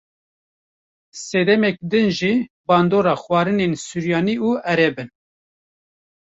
Sedemek din jî bandora xwarinên suryanî û ereb in.